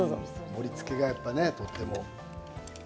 盛りつけがとても。